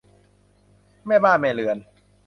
แม่บ้านแม่เรือน